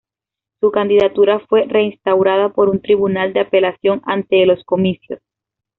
Su candidatura fue reinstaurada por un tribunal de apelación antes de los comicios.